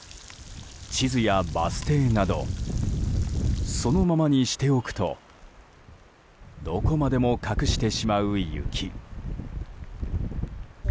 地図やバス停などそのままにしておくとどこまでも隠してしまう雪。